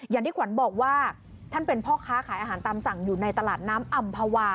อย่างที่ขวัญบอกว่าท่านเป็นพ่อค้าขายอาหารตามสั่งอยู่ในตลาดน้ำอำภาวา